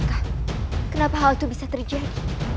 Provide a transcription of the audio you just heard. kenapa hal itu bisa terjadi